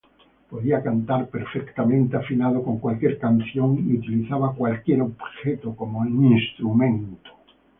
Podía cantar perfectamente afinado con cualquier canción, y utilizaba cualquier objeto como instrumento.